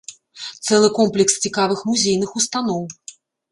Цэлы комплекс цікавых музейных устаноў.